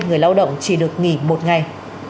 người lao động chỉ được nghỉ một ngày